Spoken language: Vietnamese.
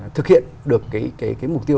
thực hiện được cái mục tiêu